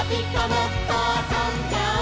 もっとあそんじゃおう！」